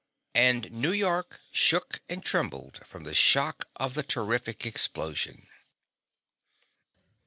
And New York shook and trembled from the shock of the terrific explosion.